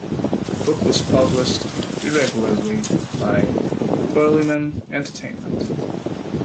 The book was published irregularly by Burlyman Entertainment.